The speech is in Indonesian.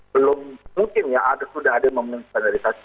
belum mungkin ya ada sudah ada memenuhi spandaritasi